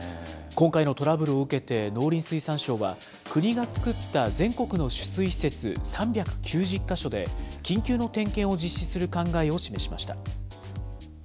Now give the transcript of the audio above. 今回のトラブルを受けて、農林水産省は国が作った全国の取水施設３９０か所で、緊急の点検を実施する考えを示しました。